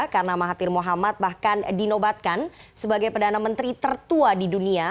karena mahathir mohamad bahkan dinobatkan sebagai perdana menteri tertua di dunia